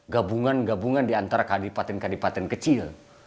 gabungan gabungan diantara kadipaten kadipaten kecil